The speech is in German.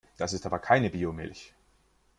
Das ist aber keine Biomilch!